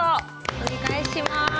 お願いします。